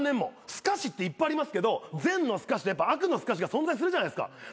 すかしっていっぱいありますけど善のすかしと悪のすかしが存在するじゃないですか。